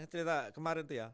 cerita kemarin tuh ya